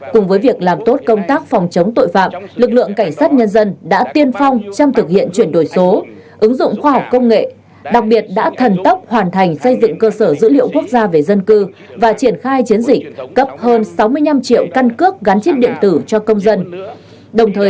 cùng với việc làm tốt công tác phòng chống tội phạm lực lượng cảnh sát nhân dân đã tiên phong trong thực hiện chuyển đổi số ứng dụng khoa học công nghệ đặc biệt đã thần tốc hoàn thành xây dựng cơ sở dữ liệu quốc gia về dân cư và triển khai chiến dịch cấp hơn sáu mươi năm triệu căn cước gắn chip điện tử cho công dân